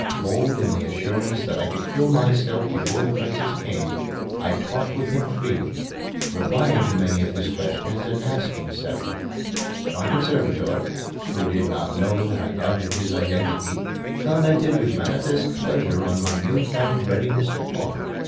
Bold in the assurance that I could kill myself before the crisis came, I talked with him freely, replying to many of his questions and asking several. My conservator, who did not know that I doubted his identity, commented with manifest pleasure on my new found readiness to talk.